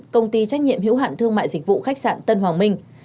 công ty trách nhiệm hữu hạn thương mại dịch vụ khách sạn tân hoàng minh